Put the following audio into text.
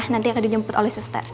nanti akan dijemput oleh suster